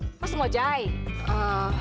kenapa tidak berbicara